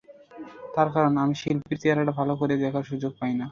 তার কারণ, আমি শিল্পীর চেহারাটা ভালো করে দেখার সুযোগ পাই না।